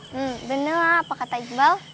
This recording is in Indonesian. hmm bener lah apa kata iqbal